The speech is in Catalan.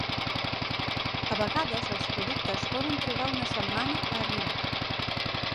A vegades, els productes poden trigar una setmana a arribar.